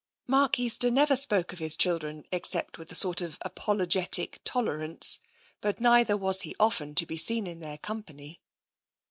Mark Easter never spoke of his children except with a sort of apologetic tolerance, but neither was he often to be seen in their company.